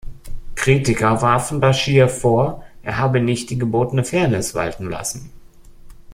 Kritiker warfen Bashir vor, er habe nicht die gebotene Fairness walten lassen.